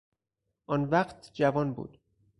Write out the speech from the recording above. آن وقت جوان بود.